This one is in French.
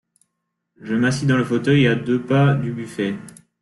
Je m’assis dans le fauteuil, à deux pas du buffet.